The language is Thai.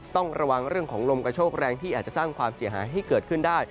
ต้องระวังเรื่องของลมกระโชคแรงที่อาจจะสร้างความเสียหายให้เกิดขึ้นได้